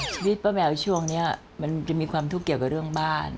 ชีวิตป้าแมวช่วงนี้มันจะมีความทุกข์เกี่ยวกับเรื่องบ้าน